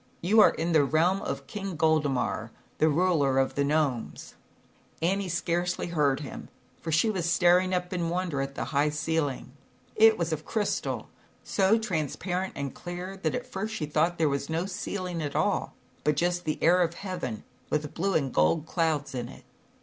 You are in the realm of King Goldemar, the ruler of the Gnomes." Annie scarcely heard him, for she was staring up in wonder at the high ceiling. It was of crystal, so transparent and clear that she at first thought there was no 130 ZAUBERLINDA, THE WISE WITCH. *SBs WT IK 'V tfc ;V,\/x ceiling at all, but just the air of heaven, with blue and gold clouds in it.